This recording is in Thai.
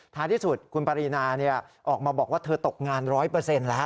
ท้ายที่สุดคุณปารีนาออกมาบอกว่าเธอตกงานร้อยเปอร์เซ็นต์แล้ว